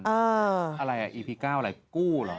อะไรอ่ะอีพี๙อะไรกู้หรอ